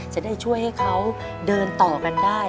จะได้ช่วยให้เขาเดินต่อกันได้